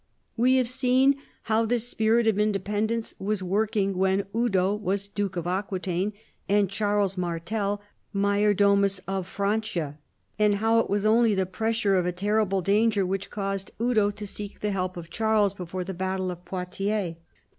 We have seen how this spirit of in dependence was working when Eudo was Duke of Aquitaine and Charles Martel major domus of Francia, and how it was only the pressure of a terri ble danger which caused Eudo to seek the help of Charles before the battle of Poitiers.